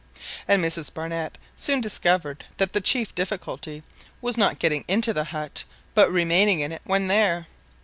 And Mrs Barnett soon discovered that the chief difficulty was not getting into the but, but remaining in it when there.